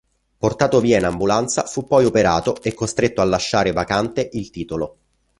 Portato via in ambulanza fu poi operato e costretto a lasciare vacante il titolo.